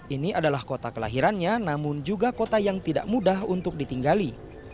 ini adalah kota kelahirannya namun juga kota yang tidak mudah untuk ditinggali